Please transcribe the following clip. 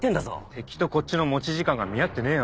敵とこっちの持ち時間が見合ってねえよ。